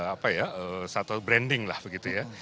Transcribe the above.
apa ya satu branding lah begitu ya